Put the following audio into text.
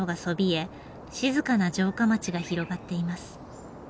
静かな城下町が広がっています。